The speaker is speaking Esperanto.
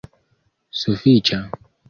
sufiĉa